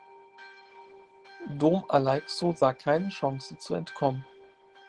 Dom Aleixo sah keine Chance zu entkommen.